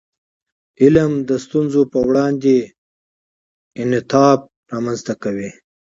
علم د ستونزو په وړاندې انعطاف رامنځته کوي.